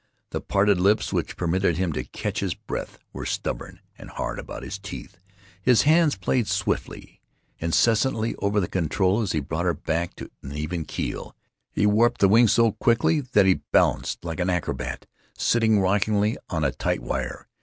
The parted lips which permitted him to catch his breath were stubborn and hard about his teeth. His hands played swiftly, incessantly, over the control as he brought her back to even keel. He warped the wings so quickly that he balanced like an acrobat sitting rockingly on a tight wire.